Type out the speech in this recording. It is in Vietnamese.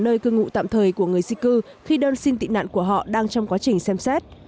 nơi cư ngụ tạm thời của người di cư khi đơn xin tị nạn của họ đang trong quá trình xem xét